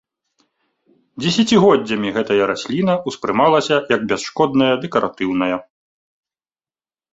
Дзесяцігоддзямі гэтая расліна ўспрымалася як бясшкодная дэкаратыўная.